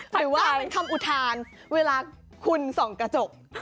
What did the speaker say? หรือว่าเป็นคำอุทานเวลาคุณส่องกระจก